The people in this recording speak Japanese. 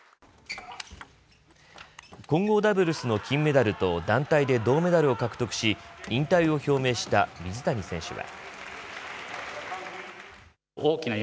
混合ダブルスの金メダルと団体で銅メダルを獲得し引退を表明した水谷選手は。